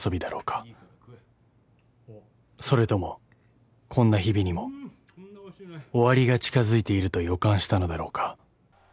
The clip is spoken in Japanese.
［それともこんな日々にも終わりが近づいていると予感したのだろうか］